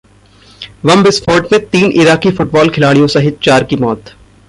बम विस्फोट में तीन इराकी फुटबाल खिलाड़ियों सहित चार की मौत